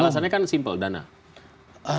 alasannya kan simpel dana